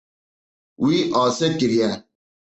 Wî asê kiriye.